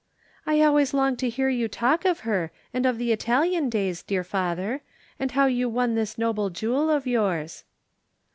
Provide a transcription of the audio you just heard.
"I always long to hear you talk of her, and of the Italian days, dear father, and how you won this noble jewel of yours."